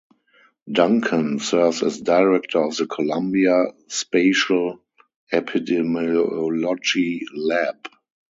Duncan serves as Director of the Columbia Spatial Epidemiology Lab.